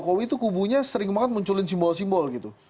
pak jokowi itu kubunya sering banget munculin simbol simbol gitu